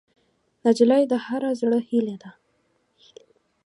نجلۍ د هر زړه هیلې ده.